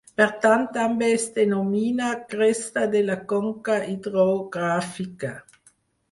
Per tant, també es denomina cresta de la conca hidrogràfica.